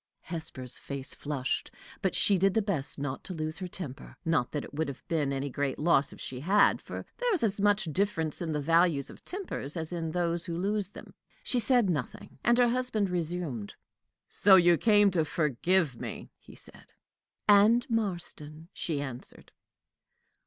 Hesper's face flushed, but she did her best not to lose her temper. Not that it would have been any great loss if she had, for there is as much difference in the values of tempers as in those who lose them. She said nothing, and her husband resumed: "So you came to forgive me?" he said. "And Marston," she answered.